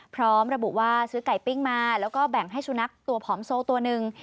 พร้อมระบุว่าซื้อไก่ปิ้งมาแล้วก็แบ่งให้สุนัขตัวผอมโซตัวหนึ่ง